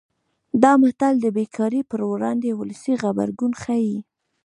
دا متل د بې کارۍ پر وړاندې ولسي غبرګون ښيي